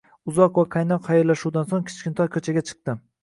Uzoq va qaynoq xayrlashuvdan so`ng Kichkintoy ko`chaga chiqdi